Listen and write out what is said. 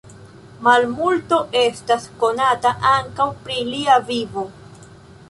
Malmulto estas konata ankaŭ pri lia vivo.